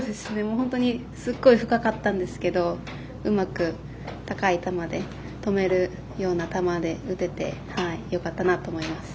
すごい深かったんですけどうまく高い球で止めるような球で打ててよかったなと思います。